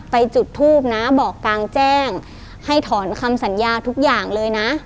จุดทูบนะบอกกลางแจ้งให้ถอนคำสัญญาทุกอย่างเลยนะ